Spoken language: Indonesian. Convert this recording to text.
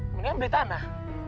mendingan beli tanah